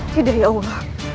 tidak ya allah